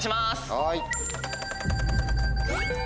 はい。